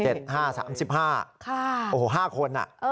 ๗๕๓๕โอ้โห๕คนน่ะ